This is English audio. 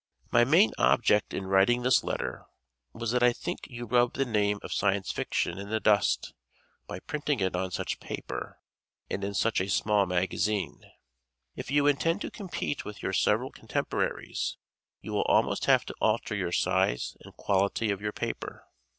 My main object in writing this letter was that I think you rub the name of Science Fiction in the dust by printing it on such paper and in such a small magazine. If you intend to compete with your several contemporaries, you will almost have to alter your size and quality of your paper.